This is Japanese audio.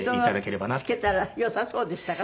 付けたらよさそうでしたか？